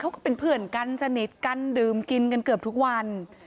ก็เป็นเพื่อนกันสนิทกันดื่มกินกันเกือบทุกวัน